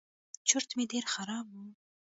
چورت مې ډېر خراب و.